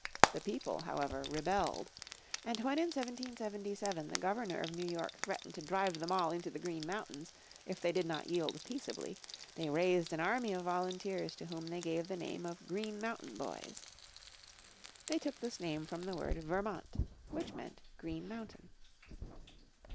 The people, however, rebelled. And when in 1777 the Governor of New York threatened to drive them all into the Green Mountains if they did not yield peaceably they raised an army of volunteers to whom they gave the name of Green Mountain Boys. They took this name from the word Vermont which meant Green Mountain.